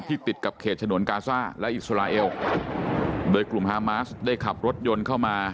ติดกับเขตฉนวนกาซ่าและอิสราเอลโดยกลุ่มฮามาสได้ขับรถยนต์เข้ามา